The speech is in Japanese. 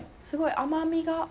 すごい甘みが。